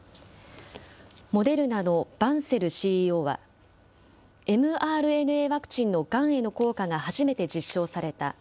モデルナのバンセルＣＥＯは、ｍＲＮＡワクチンのがんへの効果が初めて実証された。